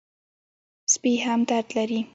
سپي هم درد لري.